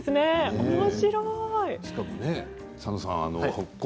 おもしろい。